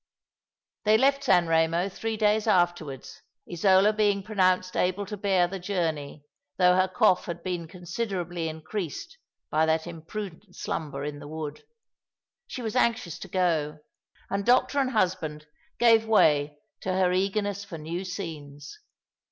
They left San Eemo three days afterwards, Isola being pronounced able to bear the journey, though her cough had been considerably increased by that imprudent slumber in the wood. She was anxious to go ; and doctor and husband gave way to her eagerness for new scenes.